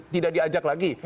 tidak diajak lagi